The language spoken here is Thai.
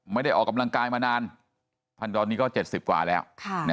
ไม่ได้ออกกำลังกายมานานท่านตอนนี้ก็๗๐กว่าแล้ว